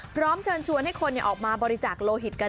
พร้อมเชิญชวนให้คนออกมาบริจาคโลหิตกัน